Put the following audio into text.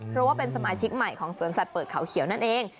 เพราะว่าเป็นสมาชิกใหม่ของสวนสัตว์เปิดเขาเขียวนั่นเอง